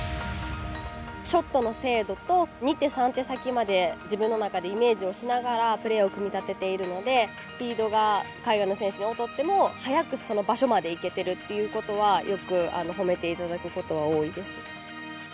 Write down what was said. ショットの精度と二手、三手先まで自分の中でイメージをしながらプレーを組み立てているのでスピードが海外の選手に劣っても早くその場所まで行けてるっていうことはよく褒めていただくことは多いです。